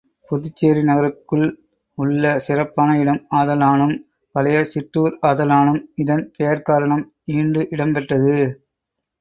புதுச்சேரி நகருக்குள் உள்ள சிறப்பான இடம் ஆதலானும், பழைய சிற்றூர் ஆதலானும் இதன் பெயர்க்காரணம் ஈண்டு இடம் பெற்றது.